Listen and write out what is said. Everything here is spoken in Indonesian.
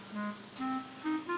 kok jadi semangka